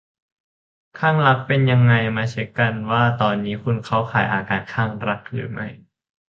คลั่งรัก เป็นยังไง มาเช็กกันว่าตอนนี้คุณเข้าข่ายอาการคลั่งรักหรือไม่